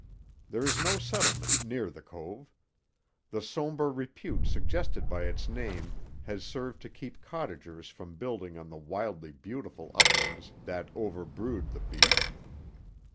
There is no settlement near the cove. The somber repute suggested by its name has served to keep cottagers from building on the wildly beautiful uplands that overbrood the beach.